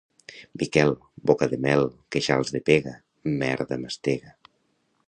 Miquel, boca de mel, queixals de pega, merda mastega.